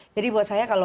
jadi buat saya kalau